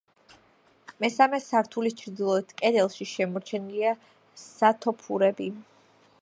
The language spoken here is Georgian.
მესამე სართულის ჩრდილოეთ კედელში შემორჩენილია სათოფურები.